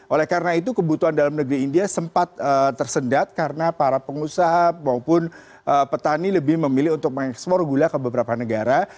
oleh karena itu kebutuhan dalam negeri india sempat tersendat karena para pengusaha maupun petani lebih memilih untuk mengekspor gula ke beberapa negara